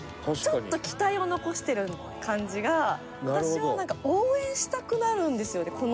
ちょっと、期待を残してる感じが私は、なんか応援したくなるんですよね